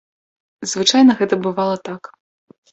Звычайна гэта бывала так.